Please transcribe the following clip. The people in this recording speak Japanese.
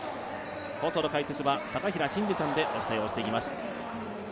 放送の解説は高平慎士さんでお伝えをしていきます。